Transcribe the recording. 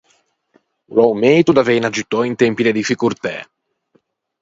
O l’à o meito d’aveine aggiuttou in tempi de difficortæ.